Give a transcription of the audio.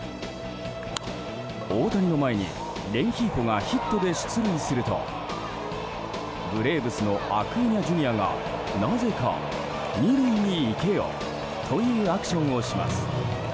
大谷の前にレンヒーフォがヒットで出塁するとブレーブスのアクーニャＪｒ．がなぜか、２塁に行けよ！というアクションをします。